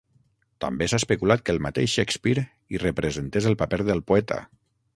També s'ha especulat que el mateix Shakespeare hi representés el paper del poeta.